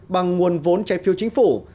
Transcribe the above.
bằng nguồn vốn trái phiếu chính phủ